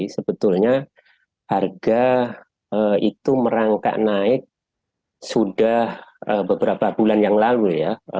sebetulnya harga itu merangkak naik sudah beberapa bulan yang lalu ya